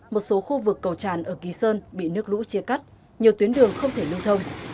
một số khu vực cầu tràn ở kỳ sơn bị nước lũ chia cắt nhiều tuyến đường không thể lưu thông